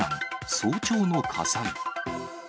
早朝の火災。